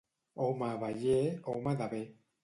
Home abeller, home de bé.